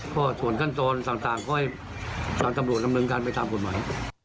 ก็ส่วนขั้นตอนต่างก็ให้ทางตำรวจดำเนินการไปตามกฎหมาย